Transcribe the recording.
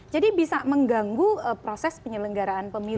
jadi bisa mengganggu proses penyelenggaraan pemilu